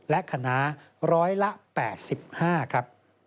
และขนา๑๐๐ละ๘๕